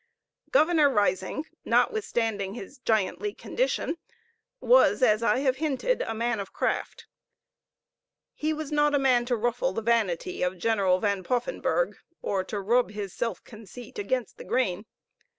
Governor Risingh, not withstanding his giantly condition, was, as I have hinted, a man of craft. He was not a man to ruffle the vanity of General Van Poffenburgh, or to rub his self conceit against the grain.